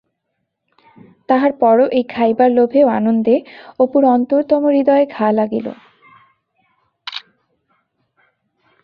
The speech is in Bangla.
তাহার পরও এই খাইবার লোভে ও আনন্দে অপুর অন্তরতম হৃদয়ে ঘা লাগিল।